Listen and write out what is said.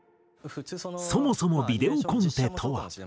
そもそもビデオコンテとは。